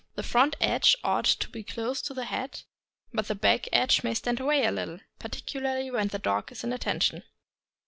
The front edge ought to be close to the head, but the back edge may stand away a little, particularly when the dog is in attention.